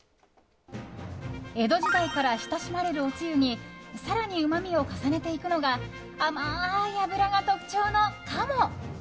江戸時代から親しまれるおつゆに更にうまみを重ねていくのが甘い脂が特徴の鴨。